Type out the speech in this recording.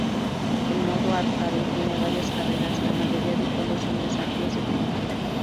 El modo Arcade tiene varías carreras, la mayoria de cuales son desafíos de tiempo.